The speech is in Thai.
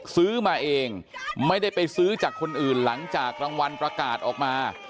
ซื้อมาเองไม่ได้ไปซื้อจากคนอื่นหลังจากรางวัลประกาศออกมา